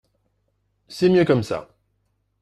C’est mieux comme ça